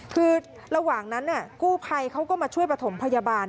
คือระหว่างนั้นกู้ภัยเขาก็มาช่วยประถมพยาบาล